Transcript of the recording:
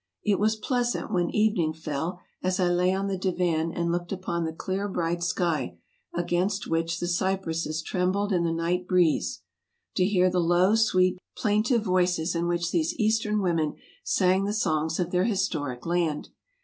It was pleasant, when evening fell, as I lay on the divan and looked upon the clear, bright sky, against which the cypresses trembled in the night breeze, to hear the low, sweet, plaintive voices in which these Eastern women sang the songs of their historic land.